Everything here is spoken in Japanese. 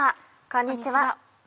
こんにちは。